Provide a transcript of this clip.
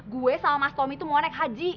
gue sama mas tommy itu mau naik haji